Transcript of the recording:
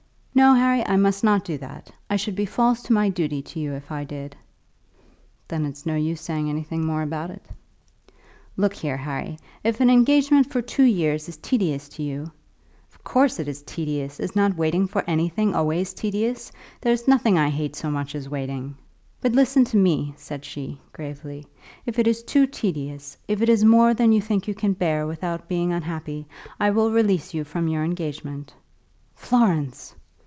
"No, Harry; I must not do that. I should be false to my duty to you if I did." "Then it's no use saying anything more about it." "Look here, Harry, if an engagement for two years is tedious to you " "Of course it is tedious. Is not waiting for anything always tedious? There's nothing I hate so much as waiting." "But listen to me," said she, gravely. "If it is too tedious, if it is more than you think you can bear without being unhappy, I will release you from your engagement." "Florence!"